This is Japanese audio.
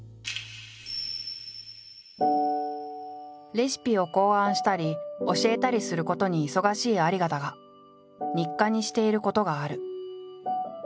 レシピを考案したり教えたりすることに忙しい有賀だが日課にしていることがある。